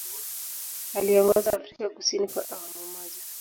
Aliiongoza Afrika Kusini kwa awamu moja